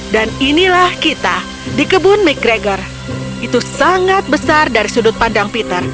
dan inilah kita di kebun mcgregor itu sangat besar dari sudut pandang peter